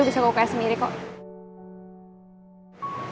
gue bisa ke oks sendiri kok